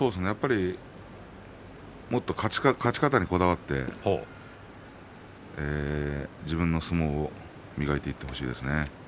もっと勝ち方にこだわって自分の相撲を磨いていってほしいですね。